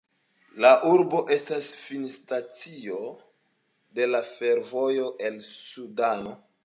La urbo estas finstacio de la fervojo el Sudano.